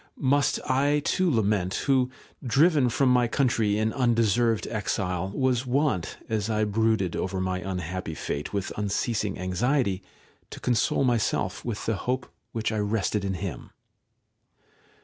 must I too lament, who, driven from my country, in undeserved exile, was wont, as I brooded over my unhappy fate with unceasing anxiety, to console myself with the hope which I rested in him.